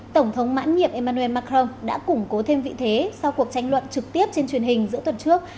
tổng thống mãn nhiệm emmanuel macron đã củng cố thêm vị thế sau cuộc tranh luận trực tiếp trên truyền hình giữa tuần trước